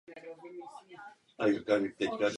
Lidský žaludek je tedy jednokomorový jednoduchý žaludek.